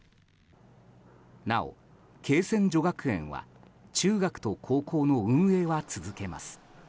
なお、恵泉女学園は中学と高校の運営は続けます。